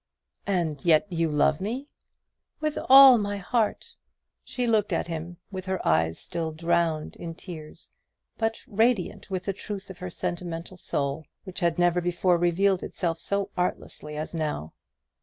"And yet you love me?" "With all my heart." She looked at him with eyes still drowned in tears, but radiant with the truth of her sentimental soul, which had never before revealed itself so artlessly as now.